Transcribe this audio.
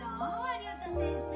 竜太先生。